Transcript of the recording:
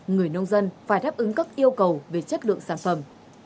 người nông dân phải đáp ứng các yêu cầu về chất lượng sản phẩm